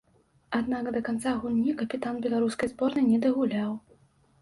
Аднак да канца гульні капітан беларускай зборнай не дагуляў.